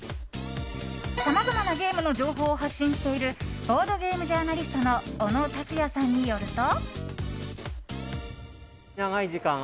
さまざまなゲームの情報を発信しているボードゲームジャーナリストの小野卓也さんによると。